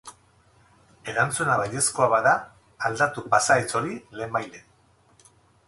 Erantzuna baiezkoa bada, aldatu pasahitz hori lehenbailehen.